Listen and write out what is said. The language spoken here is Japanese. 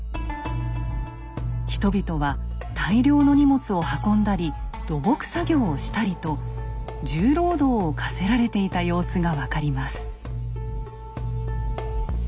人々は大量の荷物を運んだり土木作業をしたりと重労働を課せられていた様子が分かります。